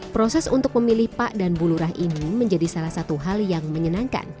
proses untuk memilih pak dan bu lurah ini menjadi salah satu hal yang menyenangkan